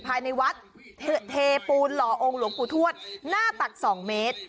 ภายในวัดเทปูนหล่อองค์หลวงปู่ทวดหน้าตัก๒เมตร